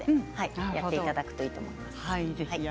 やっていただくといいと思います。